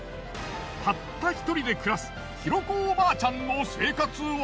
たった１人で暮らす尋子おばあちゃんの生活は。